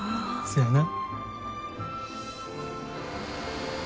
そやな。